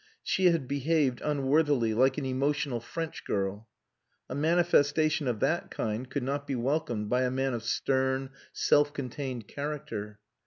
She had behaved unworthily, like an emotional French girl. A manifestation of that kind could not be welcomed by a man of stern, self contained character.